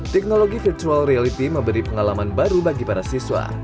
teknologi virtual reality memberi pengalaman baru bagi para siswa